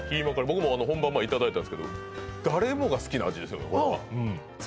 僕も本番前いただいたんですけど誰もが好きな味ですよね